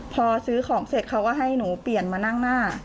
พอซื้อของเสร็จเขาก็ให้หนูเปลี่ยนมานั่งหน้า